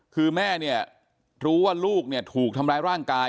คือแม่เนี่ยรู้ว่าลูกเนี่ยถูกทำร้ายร่างกาย